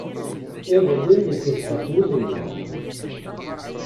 Iḍelli nekkes ɣef wul-nneɣ.